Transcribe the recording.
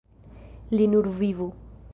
Li nur vivu.